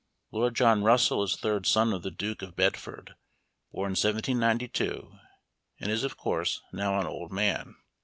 * Lord John Russell is third son of the Duke of Bedford, born 1792, and is, of course, now an old man.